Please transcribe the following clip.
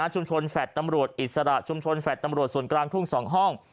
ชุมชนแฟลต์ตำรวจอิสระชุมชนแฟลต์ตำรวจส่วนกลางทุ่ง๒ห้อง